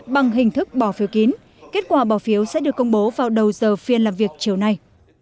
bằng hình thức bỏ phiếu kín kết quả bỏ phiếu sẽ được công bố vào đầu giờ phiên làm việc chiều nay